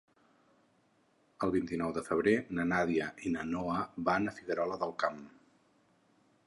El vint-i-nou de febrer na Nàdia i na Noa van a Figuerola del Camp.